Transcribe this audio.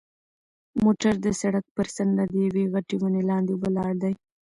موټر د سړک پر څنډه د یوې غټې ونې لاندې ولاړ دی.